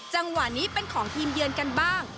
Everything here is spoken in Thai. จังหวะนี้เป็นของทีมเยือนกันบ้าง